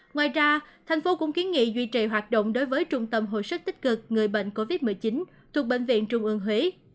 ngoài ra thành phố cũng kiến nghị duy trì hoạt động đối với trung tâm hồi sức tích cực người bệnh covid một mươi chín thuộc bệnh viện trung ương huế